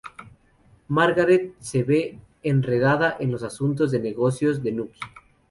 Margaret se ve enredada en los asuntos de negocios de Nucky.